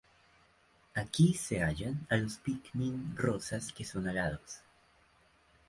Aquí se hallan a los pikmin rosas que son alados.